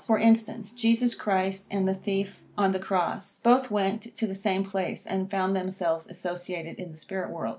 For instance, Jesus Christ and the thief on the cross, both went to the same place, and found themselves associated in the spirit world.